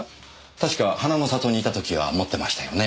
確か花の里にいた時は持ってましたよね。